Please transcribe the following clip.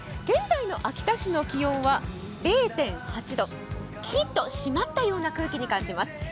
現在の秋田市の気温は０．８度、きりっと締まったような空気に感じます。